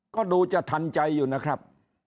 ก็ดูจะทันใจอยู่นะครับ